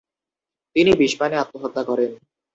তিনি বিষপানে আত্মহত্যা করেন।